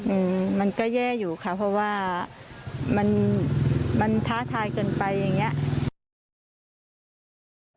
อืมมันก็แย่อยู่ค่ะเพราะว่ามันมันท้าทายเกินไปอย่างเงี้ย